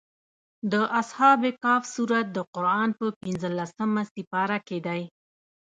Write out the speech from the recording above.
د اصحاب کهف سورت د قران په پنځلسمه سېپاره کې دی.